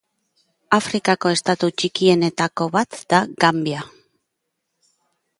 Afrikako estatu txikienetako bat da Gambia.